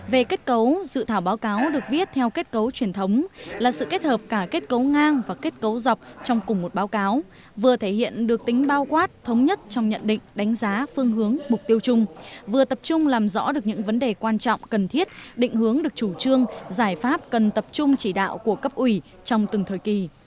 về kết cấu dự thảo báo cáo được viết theo kết cấu truyền thống là sự kết hợp cả kết cấu ngang và kết cấu dọc trong cùng một báo cáo vừa thể hiện được tính bao quát thống nhất trong nhận định đánh giá phương hướng mục tiêu chung vừa tập trung làm rõ được những vấn đề quan trọng cần thiết định hướng được chủ trương giải pháp cần tập trung chỉ đạo của cấp ủy trong từng thời kỳ